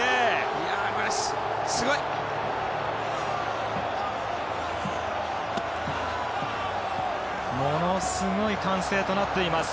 いやあ、すごい！ものすごい歓声となっています。